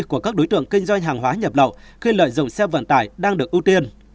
của các đối tượng kinh doanh hàng hóa nhập lậu khi lợi dụng xe vận tải đang được ưu tiên